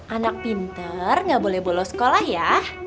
anak pinter nggak boleh bolos sekolah ya